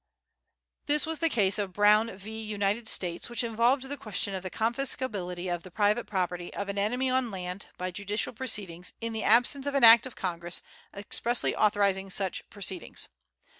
This was the case of Brown v. United States, which involved the question of the confiscability of the private property of an enemy on land, by judicial proceedings, in the absence of an Act of Congress expressly authorizing such proceedings.